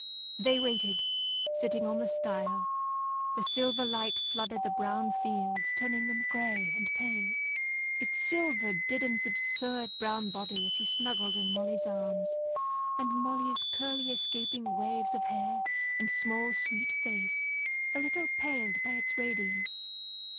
They waited, sitting on the stile. The silver light flooded the brown fields, turning them grey and pale. It silvered Diddums' absurd brown body as he snuggled in Molly's arms, and Molly's curly, escaping waves of hair and small sweet face, a little paled by its radiance.